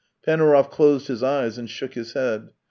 ..." Panaurov closed his eyes and shook his head.